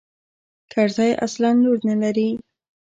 کرزى اصلاً لور نه لري.